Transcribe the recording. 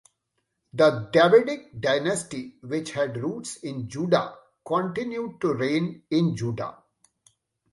The Davidic dynasty, which had roots in Judah, continued to reign in Judah.